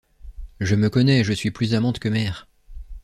Je me connais, je suis plus amante que mère.